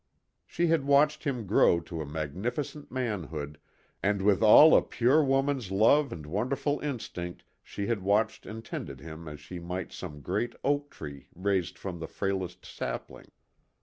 She had watched him grow to a magnificent manhood, and with all a pure woman's love and wonderful instinct she had watched and tended him as she might some great oak tree raised from the frailest sapling.